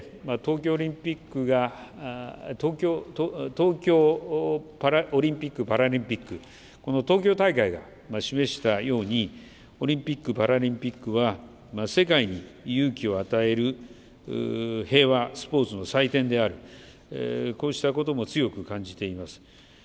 そして東京オリンピック・パラリンピック、この東京大会が示したように、オリンピック・パラリンピックは、世界に勇気を与える平和、スポーツの祭典であり、こうしたことも強く感じています。